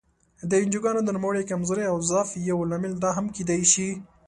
د انجوګانو د نوموړې کمزورۍ او ضعف یو لامل دا هم کېدای شي.